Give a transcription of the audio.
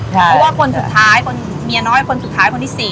เพราะว่าคนสุดท้ายคนเมียน้อยคนสุดท้ายคนที่๔